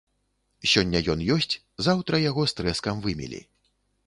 Сёння ён ёсць, заўтра яго з трэскам вымелі.